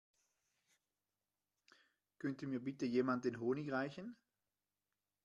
Könnte mir bitte jemand den Honig reichen?